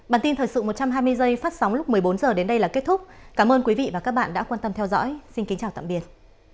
bản tin thời sự một trăm hai mươi giây phát sóng lúc một mươi bốn h đến đây là kết thúc cảm ơn quý vị và các bạn đã quan tâm theo dõi xin kính chào tạm biệt